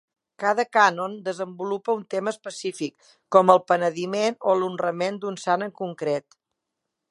Cada cànon desenvolupa un tema específic, com el penediment o l'honrament d'un sant en concret.